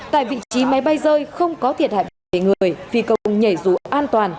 tại vị trí máy bay rơi không có thiệt hại về người phi công nhảy dù an toàn